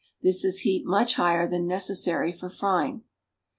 This is heat much higher than necessary for frying.